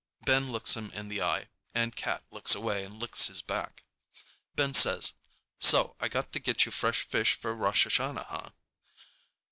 Ben looks him in the eye, and Cat looks away and licks his back. Ben says, "So I got to get you fresh fish for Rosh Hashanah, huh?"